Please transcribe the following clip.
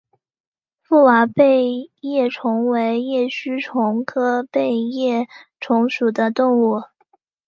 覆瓦背叶虫为叶须虫科背叶虫属的动物。